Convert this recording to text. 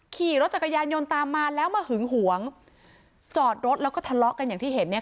ขี่รถจักรยานยนต์ตามมาแล้วมาหึงหวงจอดรถแล้วก็ทะเลาะกันอย่างที่เห็นเนี่ย